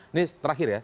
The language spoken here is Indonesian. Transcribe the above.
ini terakhir ya